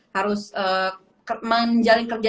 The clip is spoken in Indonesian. harus menjalin kerja